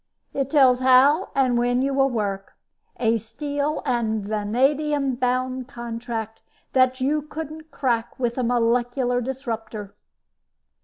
"It tells how and when you will work. A steel and vanadium bound contract that you couldn't crack with a molecular disruptor."